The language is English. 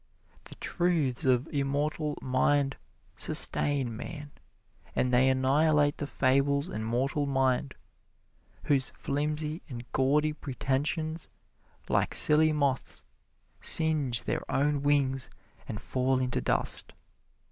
The truths of immortal mind sustain man; and they annihilate the fables and mortal mind, whose flimsy and gaudy pretensions, like silly moths, singe their own wings and fall into dust.